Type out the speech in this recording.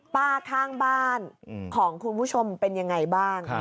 ข้างบ้านของคุณผู้ชมเป็นยังไงบ้าง